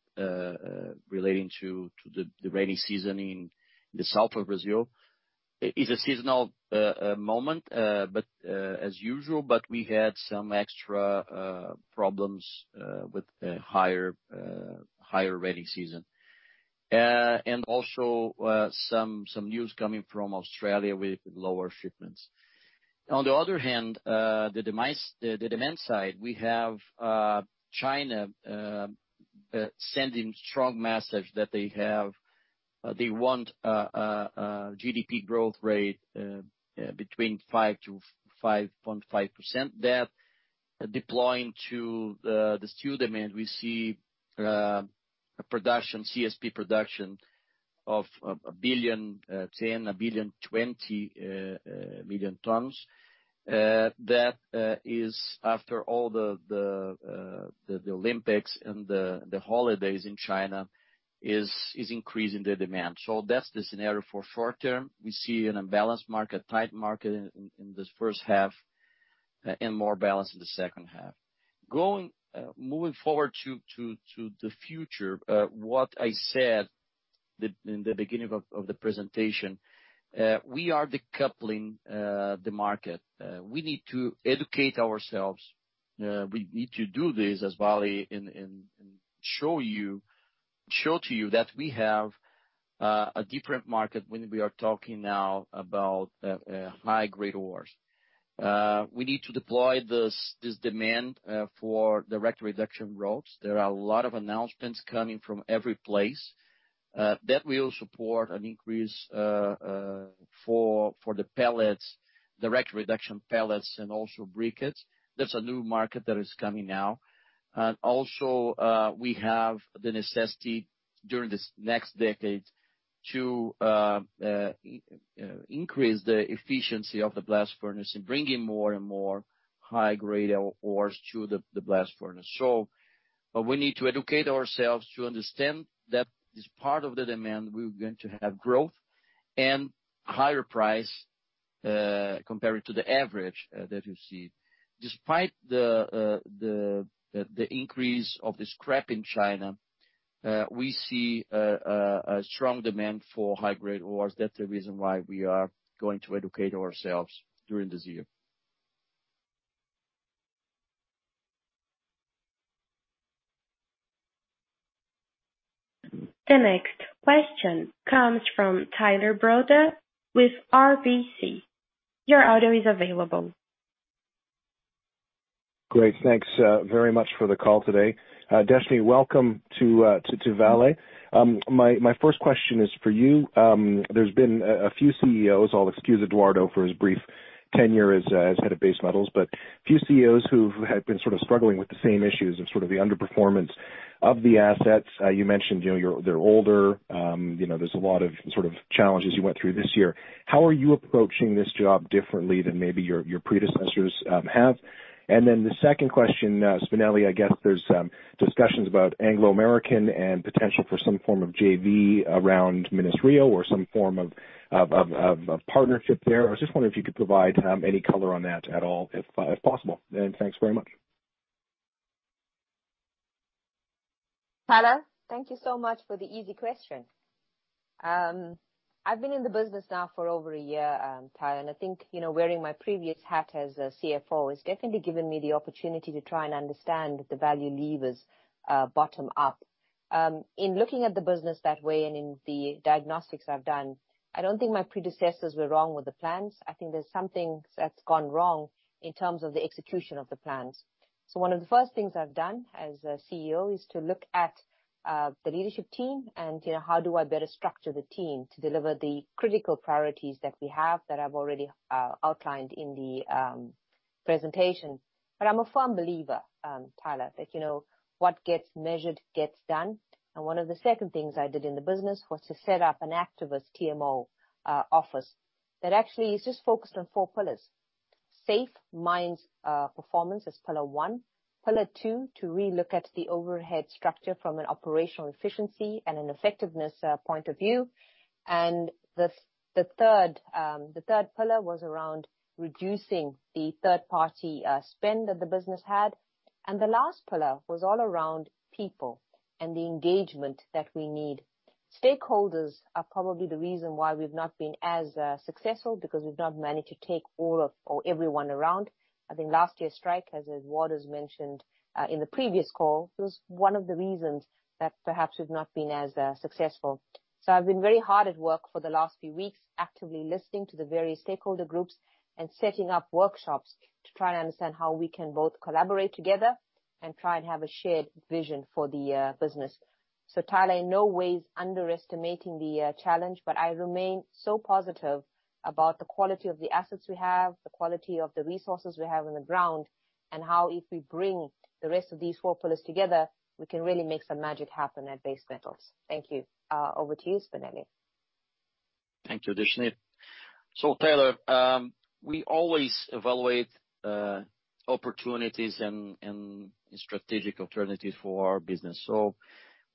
relating to the rainy season in the south of Brazil. It's a seasonal moment, but as usual, but we had some extra problems with the higher rainy season. Also, some news coming from Australia with lower shipments. On the other hand, the demand side, we have China sending strong message that they want GDP growth rate between 5%-5.5%. Tied to the steel demand, we see CSP production of 1.020 billion tons. That, after all the Olympics and the holidays in China, is increasing the demand. That's the scenario for short term. We see an unbalanced market, tight market in this first half and more balance in the second half. Moving forward to the future, what I said in the beginning of the presentation, we are decoupling the market. We need to educate ourselves. We need to do this as Vale and show to you that we have a different market when we are talking now about high-grade ores. We need to deploy this demand for direct reduction routes. There are a lot of announcements coming from every place that will support an increase for the pellets, direct reduction pellets and also briquettes. That's a new market that is coming now. We have the necessity during this next decade to increase the efficiency of the blast furnace and bring in more and more high-grade ores to the blast furnace. We need to educate ourselves to understand that this part of the demand, we're going to have growth and higher price compared to the average that you see. Despite the increase of the scrap in China, we see a strong demand for high-grade ores. That's the reason why we are going to educate ourselves during this year. The next question comes from Tyler Broda with RBC Capital Markets. Your audio is available. Great, thanks, very much for the call today. Deshnee, welcome to Vale. My first question is for you. There's been a few CEOs. I'll excuse Eduardo for his brief tenure as head of base metals, but a few CEOs who have been sort of struggling with the same issues and sort of the underperformance of the assets. You mentioned, you know, they're older, you know, there's a lot of sort of challenges you went through this year. How are you approaching this job differently than maybe your predecessors have? Then the second question, Spinelli, I guess there's discussions about Anglo American and potential for some form of JV around Minas-Rio or some form of partnership there. I was just wondering if you could provide any color on that at all, if possible. Thanks very much. Tyler, thank you so much for the easy question. I've been in the business now for over a year, Tyler, and I think, you know, wearing my previous hat as a CFO has definitely given me the opportunity to try and understand the value levers, bottom up. In looking at the business that way and in the diagnostics I've done, I don't think my predecessors were wrong with the plans. I think there's something that's gone wrong in terms of the execution of the plans. One of the first things I've done as CEO is to look at the leadership team and, you know, how do I better structure the team to deliver the critical priorities that we have that I've already outlined in the presentation. I'm a firm believer, Tyler, that, you know, what gets measured gets done. One of the second things I did in the business was to set up an activist TMO office that actually is just focused on four pillars. Safe mines performance is pillar one. Pillar two, to relook at the overhead structure from an operational efficiency and an effectiveness point of view. The third pillar was around reducing the third-party spend that the business had. The last pillar was all around people and the engagement that we need. Stakeholders are probably the reason why we've not been as successful because we've not managed to take all of or everyone around. I think last year's strike, as Eduardo's mentioned in the previous call, was one of the reasons that perhaps we've not been as successful. I've been very hard at work for the last few weeks, actively listening to the various stakeholder groups and setting up workshops to try and understand how we can both collaborate together and try and have a shared vision for the business. Tyler, in no way is underestimating the challenge, but I remain so positive about the quality of the assets we have, the quality of the resources we have on the ground, and how if we bring the rest of these four pillars together, we can really make some magic happen at Base Metals. Thank you. Over to you, Spinelli. Thank you, Deshnee. Tyler, we always evaluate opportunities and strategic alternatives for our business.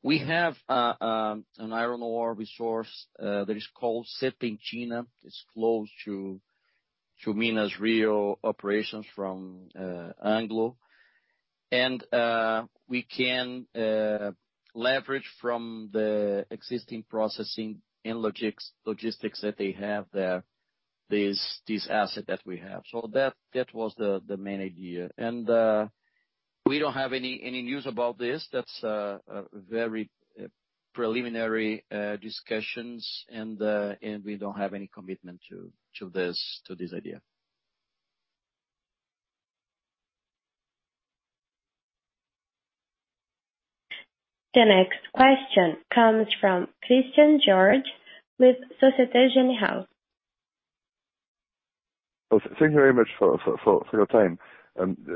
We have an iron ore resource that is called Serpentina. It's close to Minas-Rio operations from Anglo. We can leverage from the existing processing and logistics that they have there, this asset that we have. That was the main idea. We don't have any news about this. That's a very preliminary discussions and we don't have any commitment to this idea. The next question comes from Christian Georges with Société Générale. Oh, thank you very much for your time.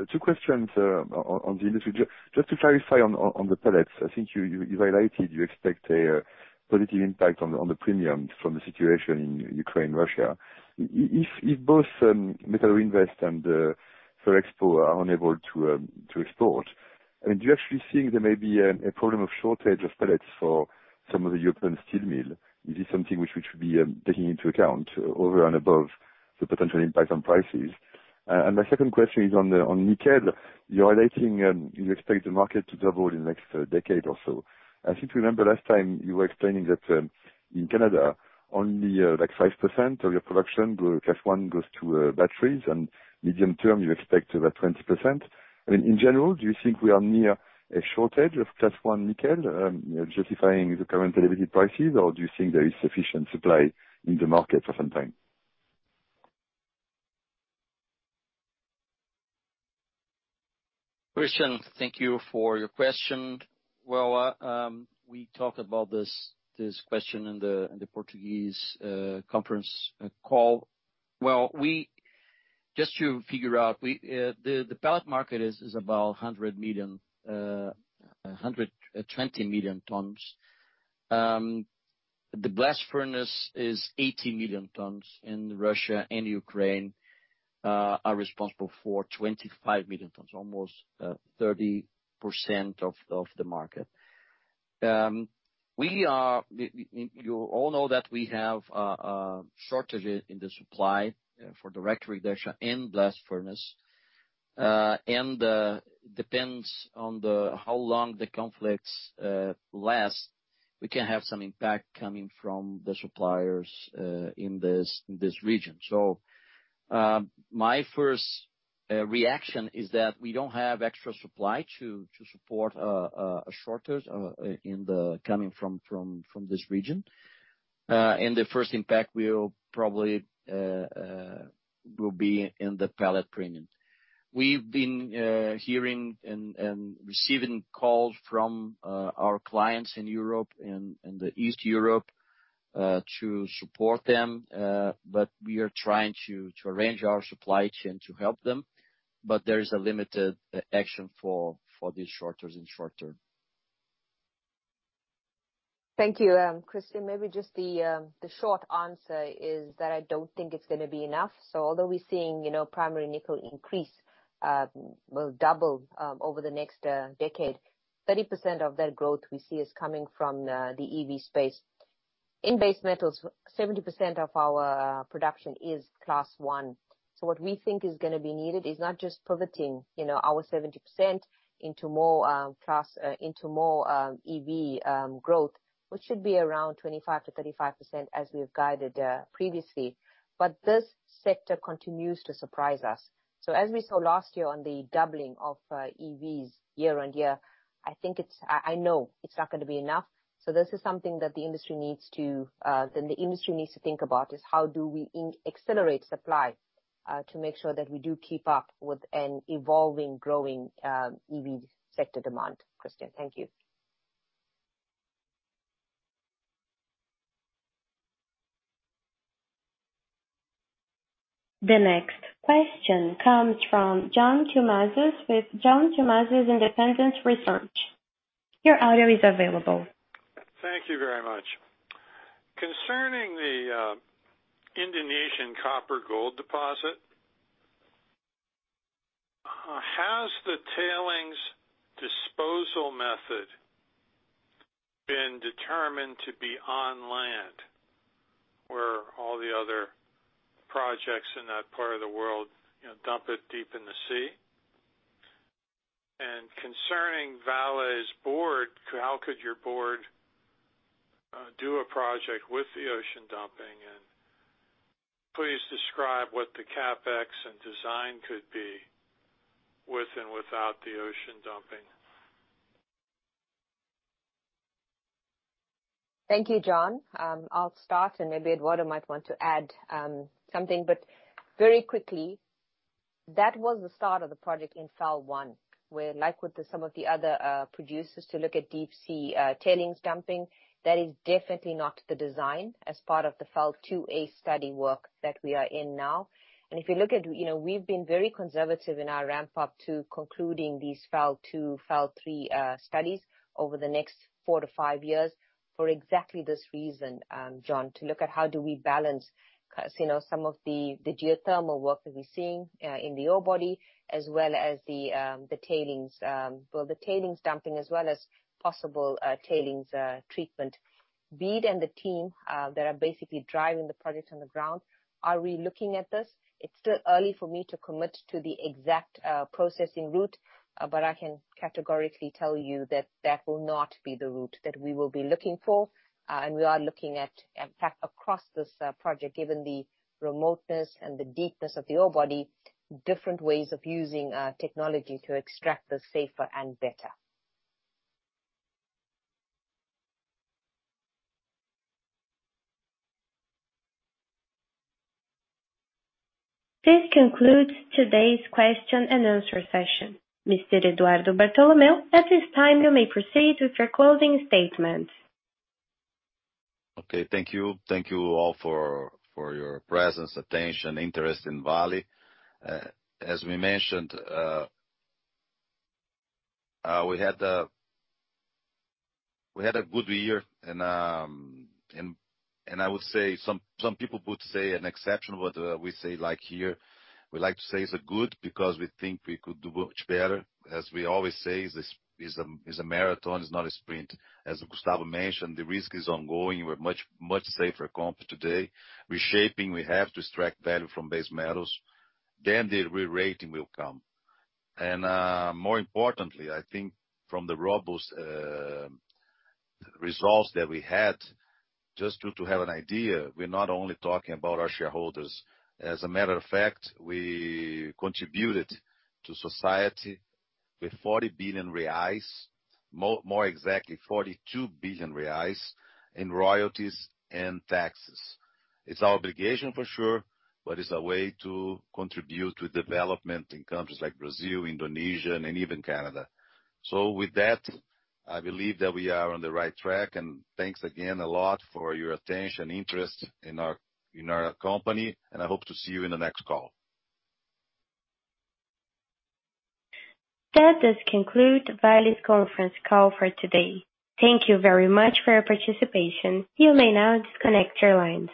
Two questions on the industry. Just to clarify on the pellets, I think you highlighted you expect a positive impact on the premium from the situation in Ukraine, Russia. If both Metalloinvest and Ferrexpo are unable to export, I mean, do you actually think there may be a problem of shortage of pellets for some of the European steel mills? Is this something which we should be taking into account over and above the potential impact on prices? My second question is on nickel. You're relating you expect the market to double in the next decade or so. I seem to remember last time you were explaining that, in Canada only, like 5% of your production, Class 1 goes to batteries and medium term you expect about 20%. I mean, in general, do you think we are near a shortage of Class 1 nickel, justifying the current delivery prices, or do you think there is sufficient supply in the market for some time? Christian, thank you for your question. Well, we talked about this question in the Portuguese conference call. Well, just to figure out, the pellet market is about 120 million tons. The blast furnace is 80 million tons, and Russia and Ukraine are responsible for 25 million tons, almost 30% of the market. You all know that we have shortages in the supply for direct reduction and blast furnace. Depends on how long the conflicts last, we can have some impact coming from the suppliers in this region. My first reaction is that we don't have extra supply to support a shortage coming from this region. The first impact will probably be in the pellet premium. We've been hearing and receiving calls from our clients in Europe and in Eastern Europe to support them. We are trying to arrange our supply chain to help them, but there is a limited action for these shortages in short term. Thank you. Christian, maybe just the short answer is that I don't think it's gonna be enough. Although we're seeing, you know, primary nickel increase will double over the next decade, 30% of that growth we see is coming from the EV space. In Base Metals, 70% of our production is Class 1. What we think is gonna be needed is not just pivoting, you know, our 70% into more EV growth, which should be around 25%-35% as we've guided previously. This sector continues to surprise us. As we saw last year on the doubling of EVs year-over-year, I think, I know it's not gonna be enough. This is something that the industry needs to think about, is how do we accelerate supply to make sure that we do keep up with an evolving, growing, EV sector demand, Christian. Thank you. The next question comes from John Tumazos with John Tumazos Very Independent Research. Your audio is available. Thank you very much. Concerning the Indonesian copper gold deposit, has the tailings disposal method been determined to be on land where all the other projects in that part of the world, you know, dump it deep in the sea? And concerning Vale's board, how could your board do a project with the ocean dumping? And please describe what the capex and design could be with and without the ocean dumping. Thank you, John. I'll start, and maybe Eduardo might want to add something. Very quickly, that was the start of the project in phase one, where, like, with some of the other producers to look at deep sea tailings dumping. That is definitely not the design as part of the phase two A study work that we are in now. If you look at, you know, we've been very conservative in our ramp up to concluding these phase two, phase three studies over the next four to five years for exactly this reason, John, to look at how do we balance, you know, some of the geothermal work that we're seeing in the ore body as well as the tailings. Well, the tailings dumping as well as possible tailings treatment. Bede and the team that are basically driving the project on the ground are relooking at this. It's still early for me to commit to the exact processing route, but I can categorically tell you that that will not be the route that we will be looking for. We are looking at, in fact, across this project, given the remoteness and the deepness of the ore body, different ways of using technology to extract this safer and better. This concludes today's question and answer session. Mr. Eduardo Bartolomeo, at this time, you may proceed with your closing statement. Okay. Thank you all for your presence, attention, interest in Vale. As we mentioned, we had a good year and I would say some people would say an exceptional, but we say like here, we like to say it's good because we think we could do much better. As we always say, this is a marathon, it's not a sprint. As Gustavo mentioned, the risk is ongoing. We're much safer company today. Reshaping, we have to extract value from base metals, then the rerating will come. More importantly, I think from the robust results that we had, just to have an idea, we're not only talking about our shareholders. As a matter of fact, we contributed to society with 40 billion reais, more exactly 42 billion reais in royalties and taxes. It's our obligation for sure, but it's a way to contribute with development in countries like Brazil, Indonesia, and even Canada. With that, I believe that we are on the right track. Thanks again a lot for your attention, interest in our company, and I hope to see you in the next call. That does conclude Vale's conference call for today. Thank you very much for your participation. You may now disconnect your lines.